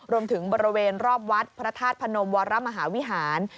รวมถึงบริเวณรอบวัดพระทาสพนมวรมหาวิหาร